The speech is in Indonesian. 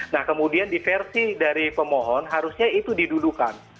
nah kemudian di versi dari pemohon harusnya itu didudukan